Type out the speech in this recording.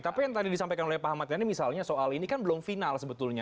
tapi yang tadi disampaikan oleh pak ahmad yani misalnya soal ini kan belum final sebetulnya